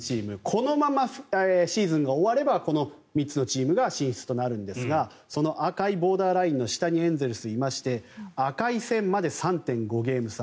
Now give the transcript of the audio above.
このままシーズンが終わればこの３つのチームが進出となるんですがその赤いボーダーラインの下にエンゼルス、いまして赤い線まで３．５ゲーム差。